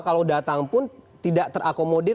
kalau datang pun tidak terakomodir